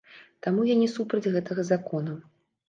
Таму я не супраць гэтага закона.